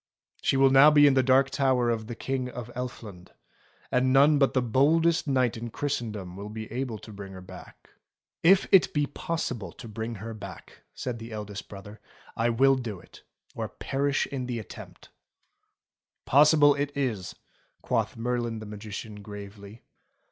She will now be in the Dark Tower of the King of Elfland, and none but the boldest knight in Christendom will be able to bring her back." 278 ENGLISH FAIRY TALES "If it be possible to bring her back," said the eldest brother, *'I will do it, or perish in the attempt." "Possible it is," quoth Merlin the Magician gravely.